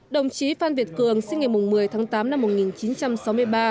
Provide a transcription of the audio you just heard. đồng chí phan việt cường sinh ngày một mươi tháng tám năm một nghìn chín trăm sáu mươi ba